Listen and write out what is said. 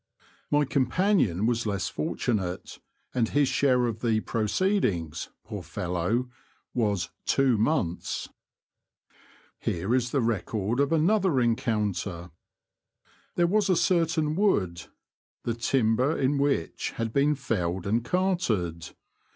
My companion was less fortunate, and his share of the proceedings, poor fellow^ Was '* two months." The Confessions of a T^oacher, i^^j Here is the record of another encounter. There was a certain wood, the timber in which had been felled and carted.